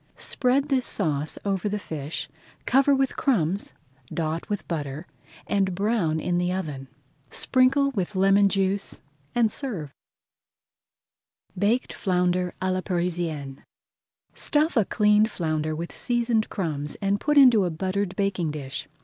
Spread this sauce over the fish, cover with crumbs, dot with butter, and brown in the oven. Sprinkle with lemon juice and serve. BAKED FLOUNDER À LA PARISIENNE Stuff a cleaned flounder with seasoned [Page 139] crumbs and put into a buttered baking dish.